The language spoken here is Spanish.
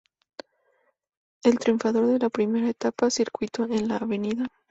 El triunfador de la primera etapa, circuito en la Av.